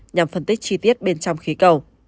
nhằm phân tích chi tiết bên trong khí cầu